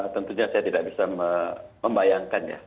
tentunya saya tidak bisa membayangkan ya